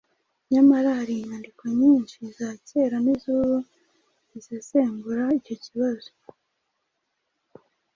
Nyamara hari inyandiko nyinshi za kera n'iz'ubu zisesengura icyo kibazo,